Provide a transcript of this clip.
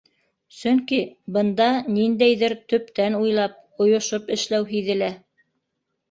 Сөнки бында ниндәйҙер төптән уйлап, ойошоп эшләү һиҙелә.